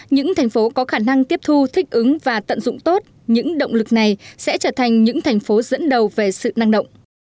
những thành phố có khả năng tiếp thu thích ứng và tận dụng tốt những động lực này sẽ trở thành những thành phố dẫn đầu về sự năng động